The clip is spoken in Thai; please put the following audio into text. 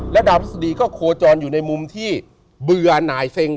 ดาวพฤษฎีก็โคจรอยู่ในมุมที่เบื่อหน่ายเซ็ง